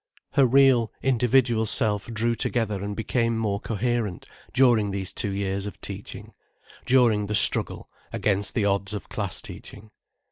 Her real, individual self drew together and became more coherent during these two years of teaching, during the struggle against the odds of class teaching.